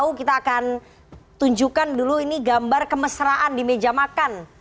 lalu kita akan tunjukkan dulu ini gambar kemesraan di meja makan